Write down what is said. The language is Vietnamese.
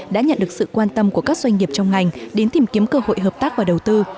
đã nhận được sự quan tâm của các doanh nghiệp trong ngành đến tìm kiếm cơ hội hợp tác và đầu tư